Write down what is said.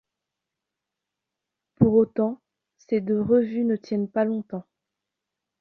Pour autant, ces deux revues ne tiennent pas longtemps.